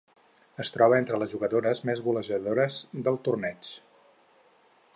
Es troba entre les jugadores més golejadores del torneig.